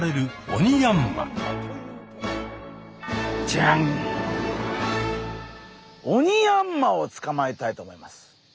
オニヤンマをつかまえたいと思います。